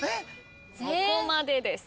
そこまでです。